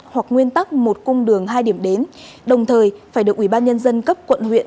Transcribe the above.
hoặc nguyên tắc một cung đường hai điểm đến đồng thời phải được ủy ban nhân dân cấp quận huyện